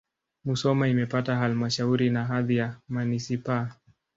Musoma imepata halmashauri na hadhi ya manisipaa.